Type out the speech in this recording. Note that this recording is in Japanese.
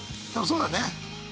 そうだね。